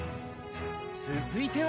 続いては。